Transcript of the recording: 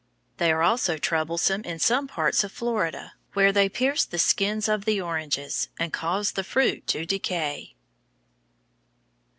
They are also troublesome in some parts of Florida, where they pierce the skins of the oranges, and cause the fruit to decay.